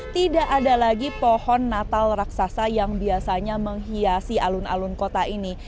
tidak ada lagi pohon natal raksasa yang biasanya menghiasi alun alun kota ini